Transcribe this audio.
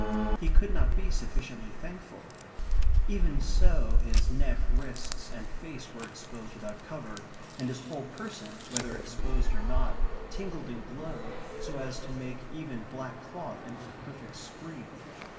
He could not be sufficiently thankful. Even so his neck, wrists, and face were exposed without cover, and his whole person, whether exposed or not, tingled and glowed so as to make even black cloth an imperfect screen.